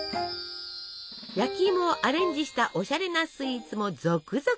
焼きいもをアレンジしたおしゃれなスイーツも続々登場！